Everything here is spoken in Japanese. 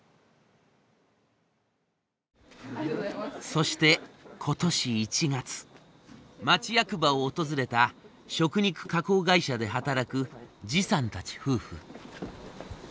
そして今年１月町役場を訪れた食肉加工会社で働くさんたち夫婦。